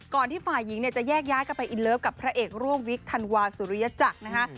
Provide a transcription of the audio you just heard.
ก่อนที่ฝ่ายหญิงจะแยกย้ายกลับไปอินเลิฟกับพระเอกร่วมวิทย์ธันวาสุริยจักรนะฮะ